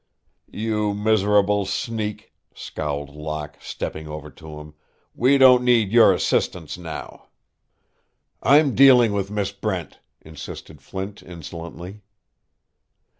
"You miserable sneak," scowled Locke, stepping over to him, "we don't need your assistance now." "I'm dealing with Miss Brent," insisted Flint, insolently.